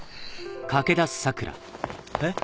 えっ？